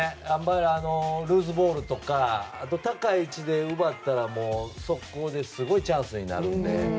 ルーズボールとかあと、高い位置で奪ったら速攻ですごいチャンスになるので。